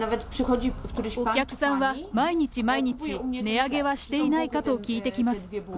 お客さんは毎日毎日、値上げはしていないかと聞いてきます。